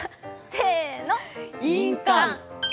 せーの、印鑑。